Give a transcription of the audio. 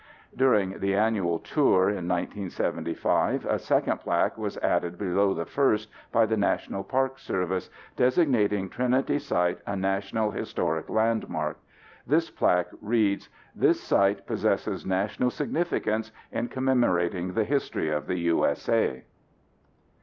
During the annual tour in 1975, a second plaque was added below the first by The National Park Service, designating Trinity Site a National Historic Landmark. This plaque reads, "This site possesses national significance in commemorating the history of the U.S.A."